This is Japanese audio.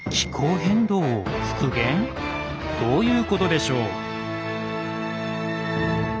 どういうことでしょう？